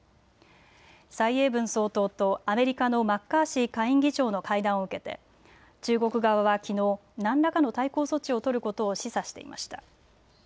蔡英文総統とアメリカのマッカーシー下院議長の会談を受けて中国側はきのう何らかの対抗措置を取ることを示唆していました。